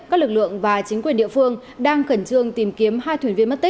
các lực lượng và chính quyền địa phương đang khẩn trương tìm kiếm hai thuyền viên mất tích